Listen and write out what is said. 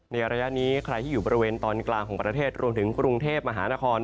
ระยะนี้ใครที่อยู่บริเวณตอนกลางของประเทศรวมถึงกรุงเทพมหานคร